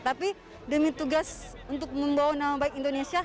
tapi demi tugas untuk membawa nama baik indonesia